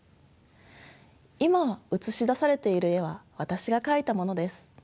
今映し出されている絵は私が描いたものです。